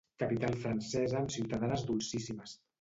Capital francesa amb ciutadanes dolcíssimes.